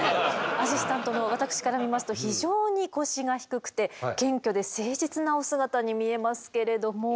アシスタントの私から見ますと非常に腰が低くて謙虚で誠実なお姿に見えますけれども。